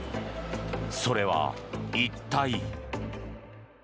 それは一体？